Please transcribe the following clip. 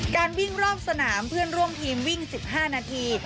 การวิ่งรอบสนามเพื่อนร่วมทีมวิ่ง๑๕นาที